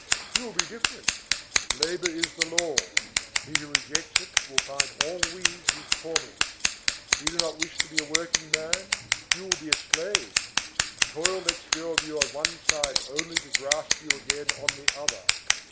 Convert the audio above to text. You will be different. Labor is the law; he who rejects it will find ennui his torment. You do not wish to be a workingman, you will be a slave. Toil lets go of you on one side only to grasp you again on the other.